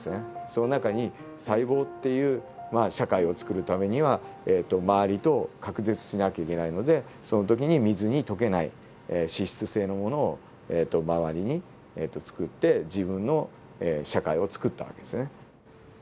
その中に細胞っていう社会をつくるためには周りと隔絶しなきゃいけないのでその時に水に溶けない脂質性のものを周りにつくって自分の社会をつくった訳ですね。